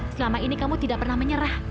selama ini kamu tidak pernah menyerah